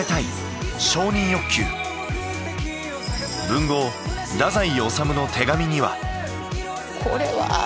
文豪太宰治の手紙には。